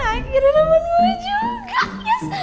akhirnya roman mau juga yes